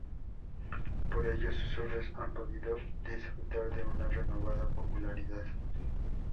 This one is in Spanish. Por ello, sus obras han podido disfrutar de una renovada popularidad.